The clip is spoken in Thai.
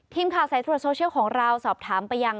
ทีมข่าวสายตรวจโซเชียลของเราสอบถามไปยัง